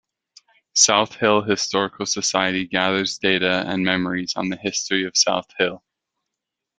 South Hill Historical Society gathers data and memories on the history of South Hill.